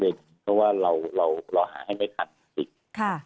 เพราะว่าเราหาให้ไม่ทันอีก